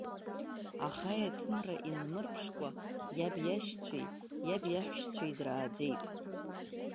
Аха аеҭымра инмырԥшкәа иаб иашьцәеи иаб иаҳәшьцәеи драаӡеит.